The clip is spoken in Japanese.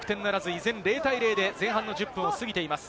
依然０対０で前半の１０分を過ぎています。